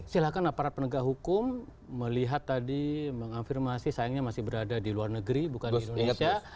silahkan aparat penegak hukum melihat tadi mengafirmasi sayangnya masih berada di luar negeri bukan di indonesia